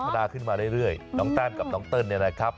นาขึ้นมาเรื่อยน้องแต้มกับน้องเติ้ลเนี่ยนะครับ